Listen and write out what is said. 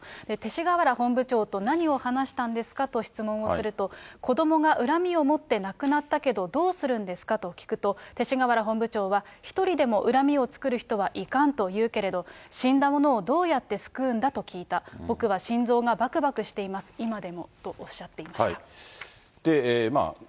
勅使河原本部長と何を話したんですかと質問をすると、子どもが恨みを持って亡くなったけど、どうするんですかと聞くと、勅使河原本部長は、一人でも恨みを作る人はいかんと言うけれど、死んだ者をどうやって救うんだと聞いた、僕は心臓がばくばくしています、今でも、とおっしゃっていました。